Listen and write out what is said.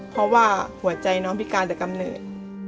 เพราะว่าหัวใจน้องพิการแต่กำเนิด